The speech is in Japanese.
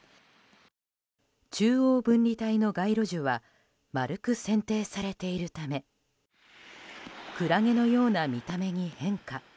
中央分離帯の街路樹は丸く剪定されているためクラゲのような見た目に変化。